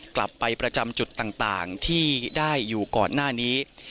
ประจำจุดต่างที่ได้อยู่ก่อนหน้านี้